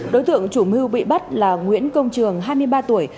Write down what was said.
đối tượng chủ mưu bị bắt là nguyễn công trường hai mươi ba tuổi